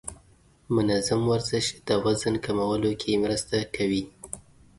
منظم ورزش د وزن کمولو کې مرسته کوي.